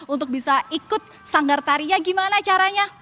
untuk bisa ikut sanggar tarinya gimana caranya